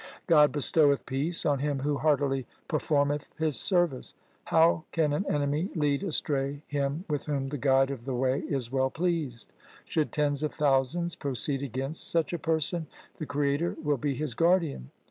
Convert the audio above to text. God bestoweth peace on him who heartily per formed His service. How can an enemy lead astray him with whom the Guide of the way is well pleased ? Should tens of thousands proceed against such a person, the Creator will be his guardian.